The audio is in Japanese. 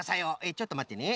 ちょっとまってね。